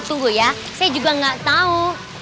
tunggu ya saya juga gak tau